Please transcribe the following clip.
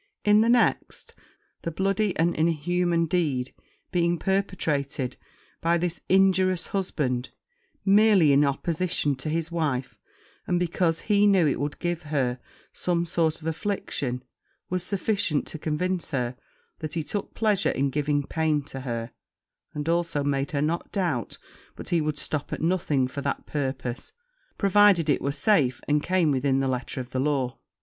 In the next, the bloody and inhuman deed being perpetrated by this injurious husband, merely in opposition to his wife, and because he knew it would give her some sort of affliction, was sufficient to convince her, that he took pleasure in giving pain to her, and also made her not doubt but he would stop at nothing for that purpose, provided it were safe, and came within the letter of the law.